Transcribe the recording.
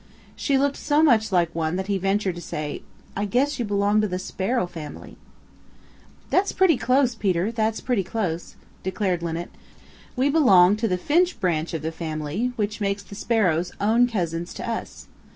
She looked so much like one that he ventured to say, "I guess you belong to the Sparrow family." "That's pretty close, Peter. That's pretty close," declared Linnet. "We belong to the Finch branch of the family, which makes the sparrows own cousins to us.